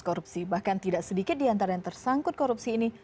korupsi bahkan tidak sedikit diantara yang tersangkut korupsi ini